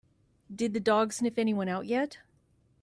Did the dog sniff anyone out yet?